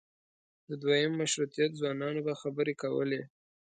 د دویم مشروطیت ځوانانو به خبرې کولې.